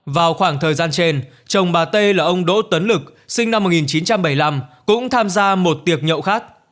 vào khoảng thời gian trên chồng bà t là ông đỗ tấn lực sinh năm một nghìn chín trăm bảy mươi năm cũng tham gia một tiệc nhậu khác